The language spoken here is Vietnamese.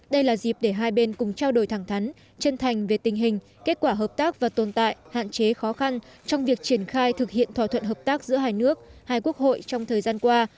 đây là dịp để hai bên cùng trao đổi thẳng thắn chân thành về tình hình kết quả hợp tác và tồn tại hạn chế khó khăn trong việc triển khai thực hiện thỏa thuận hợp tác giữa hai nước hai quốc hội trong thời gian qua